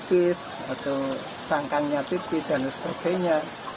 atau sangkangnya tipis dan ususnya